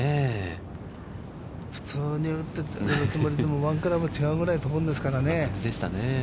普通に打ってるつもりでも、ワンクラブ違うぐらい飛ぶんですからね。